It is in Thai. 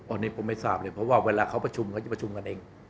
อันนี้ผมไม่ทราบเลยเพราะว่าเวลาเขาประชุมเขาจะประชุมกันเอง